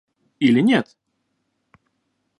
Или нет?